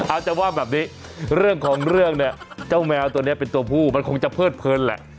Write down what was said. อาจจะว่าแบบนี้เรื่องของเรื่องเนี่ยเจ้าแมวตัวนี้เป็นตัวผู้มันคงจะเพิดเพลินแหละ